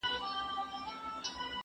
هغه څوک چي ږغ اوري پام کوي؟